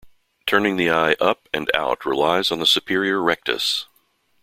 Turning the eye up and out relies on the superior rectus.